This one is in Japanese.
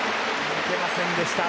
抜けませんでした。